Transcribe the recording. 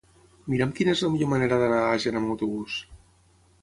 Mira'm quina és la millor manera d'anar a Àger amb autobús.